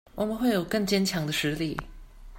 我們會有更堅強的實力